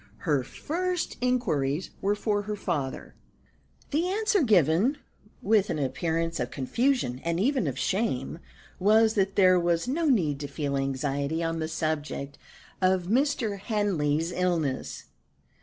Her first inquiries were for her father. The answer given, with an appearance of confusion and even of shame, was that there was no need to feel anxiety on the subject of Mr. Henley's illness.